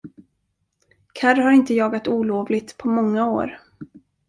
Karr har inte jagat olovligt på många år.